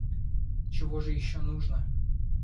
Чего же еще нужно?